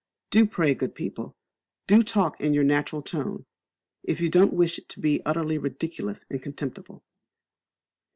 Do, pray, good people, do talk in your natural tone, if you don't wish to be utterly ridiculous and contemptible."